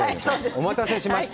お待たせしました。